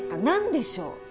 何でしょう？